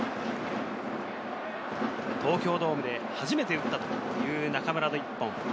東京ドームで初めて打ったという中村の１本。